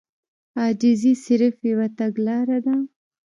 عاجزي صرف يوه تګلاره ده.